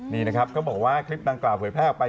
นี่นะครับเค้าบอกว่าคลิปดังกล่าวเผื่อแพร่เข้าไป